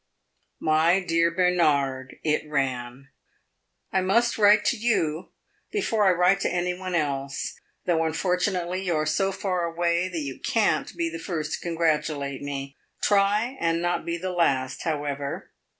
"My dear Bernard (it ran), I must write to you before I write to any one else, though unfortunately you are so far away that you can't be the first to congratulate me. Try and not be the last, however.